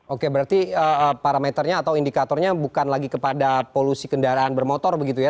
oke berarti parameternya atau indikatornya bukan lagi kepada polusi kendaraan bermotor begitu ya